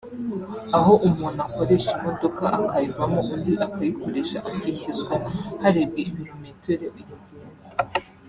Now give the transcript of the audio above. aho umuntu akoresha imodoka akayivamo undi akayikoresha akishyuzwa harebwe ibirometero yagenze